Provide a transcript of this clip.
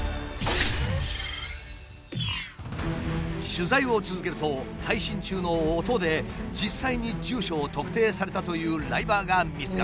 取材を続けると配信中の音で実際に住所を特定されたというライバーが見つかった。